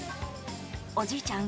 おじいちゃん